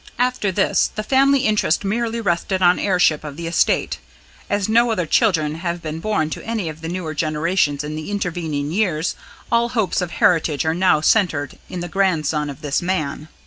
"After this the family interest merely rested on heirship of the estate. As no other children have been born to any of the newer generations in the intervening years, all hopes of heritage are now centred in the grandson of this man.